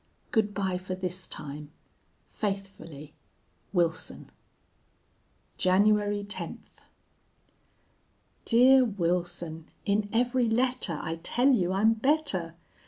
"Good by for this time. "Faithfully, "WILSON." "January 10th. "DEAR WILSON, In every letter I tell you I'm better!